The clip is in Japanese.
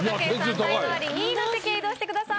才能アリ２位の席へ移動してください。